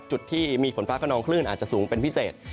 จุดที่มีฝนฟ้าขนองคลื่นอาจจะสูงเป็นพิเศษ